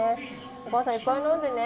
お母さんいっぱい飲んでね。